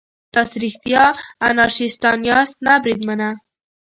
تاسې رښتیا انارشیستان یاست؟ نه بریدمنه.